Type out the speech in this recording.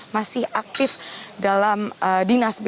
masih aktif dalam dinas